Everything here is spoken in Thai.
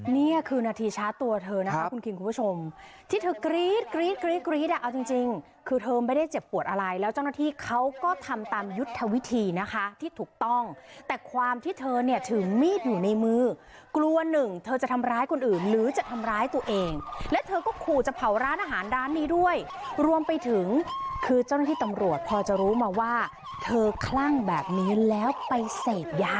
นี่คือนาทีชาติตัวเธอนะครับคุณคิงคุณผู้ชมที่เธอกรี๊ดกรี๊ดกรี๊ดกรี๊ดอ่ะเอาจริงคือเธอไม่ได้เจ็บปวดอะไรแล้วเจ้าหน้าที่เขาก็ทำตามยุทธวิธีนะคะที่ถูกต้องแต่ความที่เธอเนี่ยถึงมีดอยู่ในมือกลัวหนึ่งเธอจะทำร้ายคนอื่นหรือจะทำร้ายตัวเองและเธอก็ขู่จะเผาร้านอาหารด้านนี้ด้วยรวมไปถึงคือเ